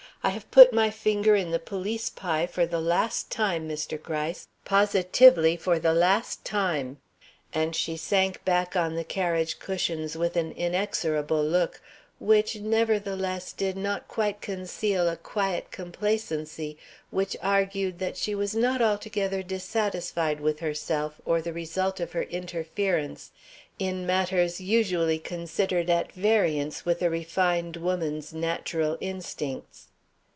I have put my finger in the police pie for the last time, Mr. Gryce positively for the last time." And she sank back on the carriage cushions with an inexorable look, which, nevertheless, did not quite conceal a quiet complacency which argued that she was not altogether dissatisfied with herself or the result of her interference in matters usually considered at variance with a refined woman's natural instincts.